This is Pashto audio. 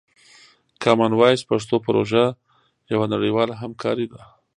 کامن وایس پښتو پروژه یوه نړیواله همکاري ده.